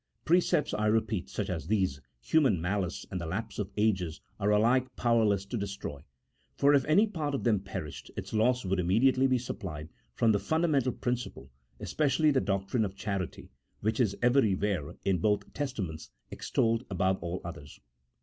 Precepts, I repeat, such as these, human malice and the lapse of ages are alike powerless to destroy, for if any part of them perished, its loss would imme diately be supplied from the fundamental principle, espe cially the doctrine of charity, which is everywhere in both Testaments extolled above all others.